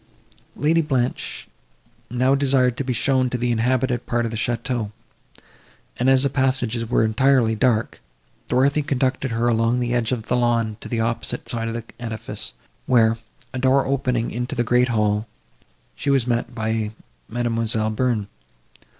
Lady Blanche now desired to be shown to the inhabited part of the château; and, as the passages were entirely dark, Dorothée conducted her along the edge of the lawn to the opposite side of the edifice, where, a door opening into the great hall, she was met by Mademoiselle Bearn.